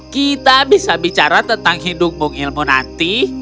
kita bisa bicara tentang hidungmu ilmu nanti